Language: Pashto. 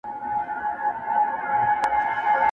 o چا په ورا کي نه پرېښاوه، ده ول د مخ اوښ زما دئ!